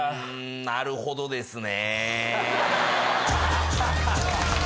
なるほどですね。